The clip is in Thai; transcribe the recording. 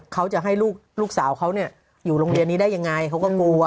เขาจะให้ลูกสาวเขาอยู่โรงเรียนนี้ได้ยังไงเขาก็กลัว